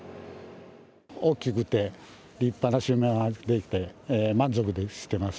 大きくて立派なしめ縄ができて満足しています。